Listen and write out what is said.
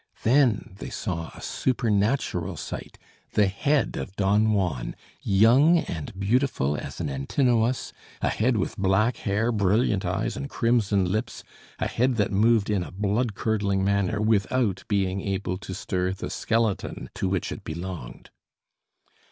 Then they saw a supernatural sight, the head of Don Juan, young and beautiful as an Antinoüs, a head with black hair, brilliant eyes and crimson lips, a head that moved in a blood curdling manner without being able to stir the skeleton to which it belonged.